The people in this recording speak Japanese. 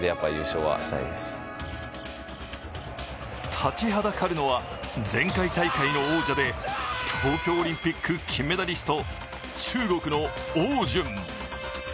立ちはだかるのは、前回大会の王者で東京オリンピック金メダリスト、中国の汪順。